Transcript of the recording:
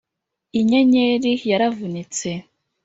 inyenyeri yaravunitse